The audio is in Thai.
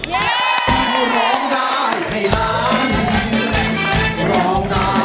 ร้องได้ร้องได้ร้องได้ร้องได้ร้องได้ร้องได้